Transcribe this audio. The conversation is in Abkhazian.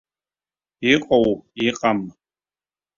Иҟоу, иҟам.